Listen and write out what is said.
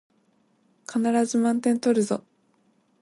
必ず満点取るぞ